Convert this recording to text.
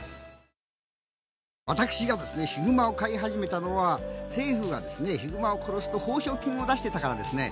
私がヒグマを飼い始めたのは政府がヒグマを殺すと報奨金を出したからなんですね。